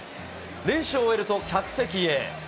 練習を終えると客席へ。